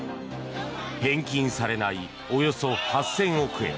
返金されないおよそ８０００億円